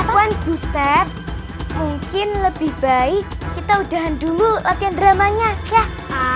afwan butet mungkin lebih baik kita udahan dulu latihan dramanya yaa